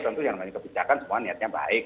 tentu yang ada di kebijakan semua niatnya baik